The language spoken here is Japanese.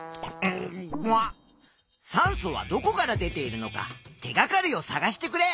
酸素はどこから出ているのか手がかりをさがしてくれ！